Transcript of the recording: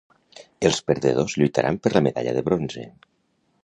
Els perdedors lluitaran per la medalla de bronze.